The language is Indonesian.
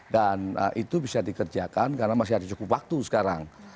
dan itu bisa dikerjakan karena masih ada cukup waktu sekarang